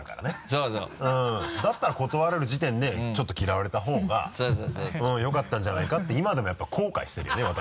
だったら断れる時点でちょっと嫌われた方がよかったんじゃないかって今でもやっぱり後悔してるよね